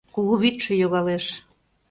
Кугу вӱдшӧ йогалеш.